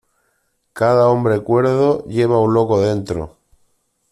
Cada hombre cuerdo lleva un loco dentro.